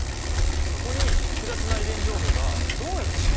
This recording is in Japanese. そこに複雑な遺伝情報がどうやってしまわれてるんだろう？